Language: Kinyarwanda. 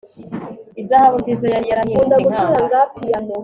Izahabu nziza yari yarahindutse inkamba